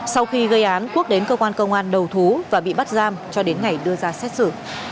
sau khi gây án quốc đến cơ quan công an đầu thú và bị bắt giam cho đến ngày đưa ra xét xử